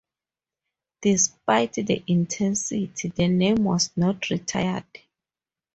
Despite the intensity, the name was not retired.